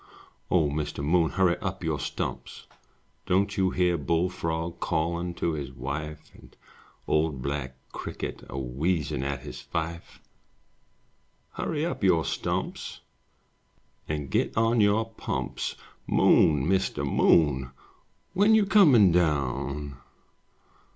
O Mr. Moon, Hurry up your stumps! Don't you hear Bullfrog Callin' to his wife, And old black Cricket A wheezin' at his fife? Hurry up your stumps. And get on your pumps! Moon, Mr. Moon, When you comin' down?